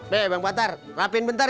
be bang patar rapiin bentar ya